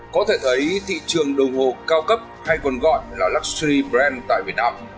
có thể thấy thị trường đồng hồ cao cấp hay còn gọi là luxury brand tại việt nam